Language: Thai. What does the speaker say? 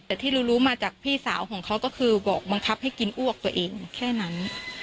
แต่ที่รู้มาจากพี่สาวของเขาก็คือบอกบังคับให้กินอ้วกตัวเองแค่นั้น